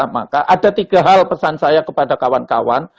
maka ada tiga hal pesan saya kepada kawan kawan